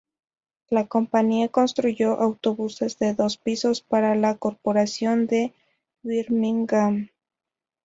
La compañía construyó autobuses de dos pisos para la Corporación de Birmingham.